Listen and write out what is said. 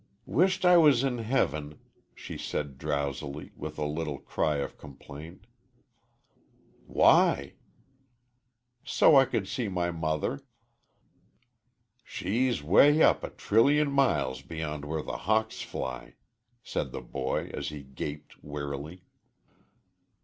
"Wisht I was in heaven," she said, drowsily, with a little cry of complaint. "Why?" "So I could see my mother." "She's way up a Trillion miles beyond where the hawks fly," said the boy, as he gaped wearily.